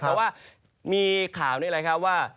แต่ว่ามีข่าวนี่แหละครับว่า